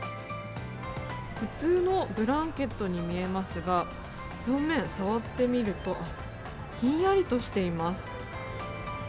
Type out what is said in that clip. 普通のブランケットに見えますが、表面、触ってみると、ひんやりとしています。